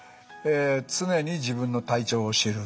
「常に自分の体調を知る」。